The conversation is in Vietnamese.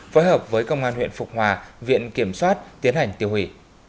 phối hợp với công an huyện phục hòa viện kiểm soát tiến hành tiêu hủy